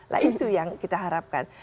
nah itu yang kita harapkan